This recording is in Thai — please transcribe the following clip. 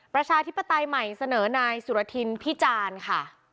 ประชาธิปไตยใหม่เสนอนายสุรทินพิจารณ์ค่ะ